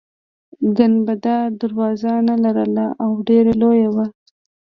ګنبده دروازه نلرله او ډیره لویه وه.